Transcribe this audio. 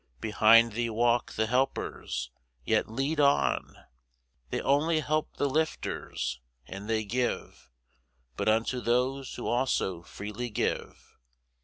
Behind thee walk the Helpers. Yet lead on! They only help the lifters, and they give But unto those who also freely give.